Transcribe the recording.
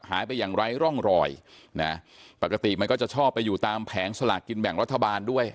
ไปอย่างไร้ร่องรอยนะปกติมันก็จะชอบไปอยู่ตามแผงสลากกินแบ่งรัฐบาลด้วย